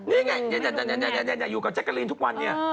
นี่ไงอยู่กับแจ๊กกะลีนทุกวันเนี่ย